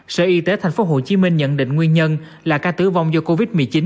sở y tế tp hcm nhận định nguyên nhân là ca tử vong do covid một mươi chín